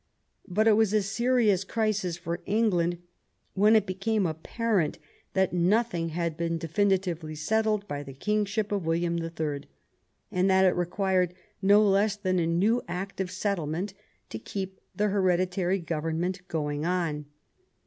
But it was a serious crisis for England when it became apparent that nothing had been definitely settled by the kingship of William the Third, and that it required no less than a new Act of Settlement to keep the hereditary govern ment going on.